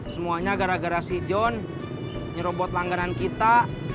semuanya gara gara si john nyerobot langganan kita